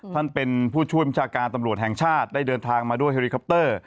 ท่านเป็นผู้ช่วยบัญชาการตำรวจแห่งชาติได้เดินทางมาด้วยเฮลิคอปเตอร์